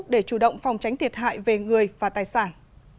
để chủ động phòng tránh thiệt hại về người và tài sản